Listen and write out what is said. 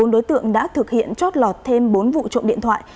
bốn đối tượng đã thực hiện chót lọt thêm bốn vụ trộm điện thoại